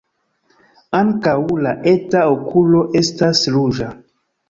Ankaŭ la eta okulo estas ruĝa.